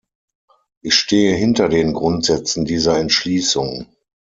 Ich stehe hinter den Grundsätzen dieser Entschließung.